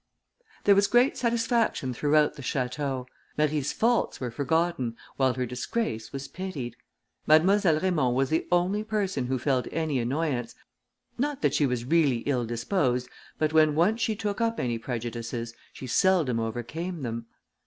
There was great satisfaction throughout the château; Marie's faults were forgotten, while her disgrace was pitied. Mademoiselle Raymond was the only person who felt any annoyance; not that she was really ill disposed, but when once she took up any prejudices, she seldom overcame them.